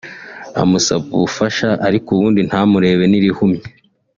amusaba ubufasha ariko undi ntamurebe n’irihumye